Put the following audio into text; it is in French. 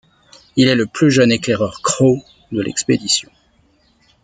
Il est le plus jeune éclaireur crow de l'expédition.